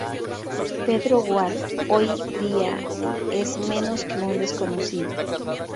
Pedro Gual hoy día es menos que un desconocido.